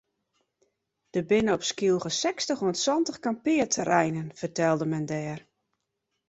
Der binne op Skylge sechstich oant santich kampearterreinen fertelde men dêre.